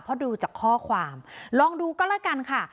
เพราะดูจากข้อความลองดูก็แล้วกันค่ะ